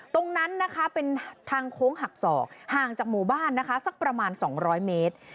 ตรงนั้นนะคะเป็นทางโค้งหักศอกห่างจากหมู่บ้านนะคะสักประมาณ๒๐๐เมตร